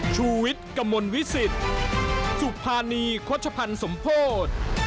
ชูวิทย์กระมวลวิสิตสุภานีโฆษภัณฑ์สมโพธิ